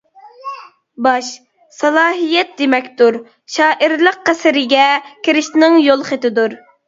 «باش» سالاھىيەت دېمەكتۇر، شائىرلىق قەسرىگە كىرىشنىڭ يول خېتىدۇر.